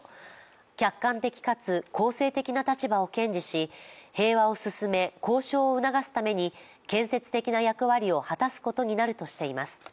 客観的かつ公正的な立場を堅持し、平和を進め、交渉を促すために建設的な役割を果たすことになるとしています。